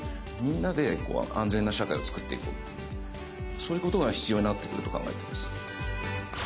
そういうことが必要になってくると考えています。